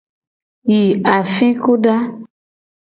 Yi afikuda.